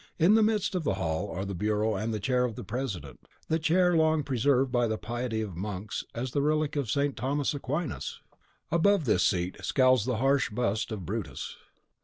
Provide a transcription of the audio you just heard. In the midst of the hall are the bureau and chair of the president, the chair long preserved by the piety of the monks as the relic of St. Thomas Aquinas! Above this seat scowls the harsh bust of Brutus.